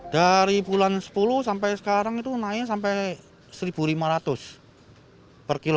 dari bulan sepuluh sampai sekarang itu naiknya sampai rp satu lima ratus per kilo